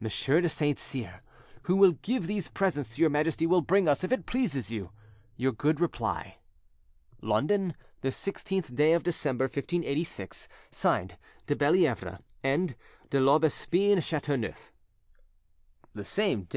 Monsieur de Saint Cyr, who will give these presents to your Majesty, will bring us, if it pleases you, your good reply. "London, this 16th day of December 1586. "(Signed) DE BELLIEVRE, "And DE L'AUBESPINE CHATEAUNEUF." The same day, M.